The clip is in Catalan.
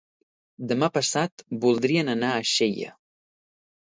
Demà passat voldrien anar a Xella.